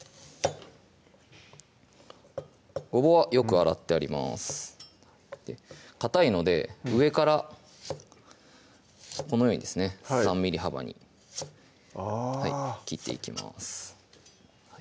ごぼうはよく洗ってありますかたいので上からこのようにですね３ｍｍ幅にあ切っていきます